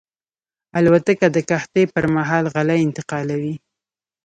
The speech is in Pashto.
الوتکه د قحطۍ پر مهال غله انتقالوي.